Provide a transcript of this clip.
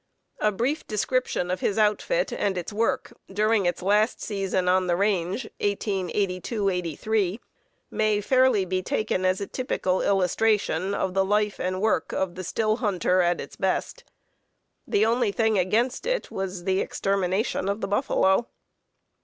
A brief description of his outfit and its work during its last season on the range (1882 '83) may fairly be taken as a typical illustration of the life and work of the still hunter at its best. The only thing against it was the extermination of the buffalo.